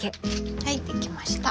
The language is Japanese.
はいできました。